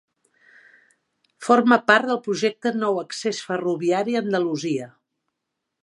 Forma part del projecte Nou Accés Ferroviari a Andalusia.